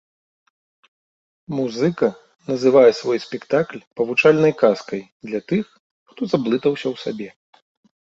Музыка называе свой спектакль павучальнай казкай для тых, хто заблытаўся ў сабе.